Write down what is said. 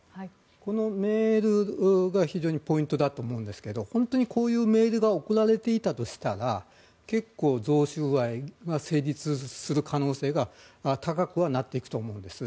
このメールが非常にポイントだと思うんですけど本当にこういうメールが送られていたとしたら結構、贈収賄が成立する可能性が高くはなっていくと思うんです。